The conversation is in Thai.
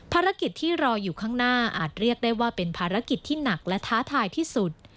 ภารกิจที่รออยู่ข้างหน้าอาจเรียกได้ว่าเป็นภารกิจที่หนักและท้าทายที่สุด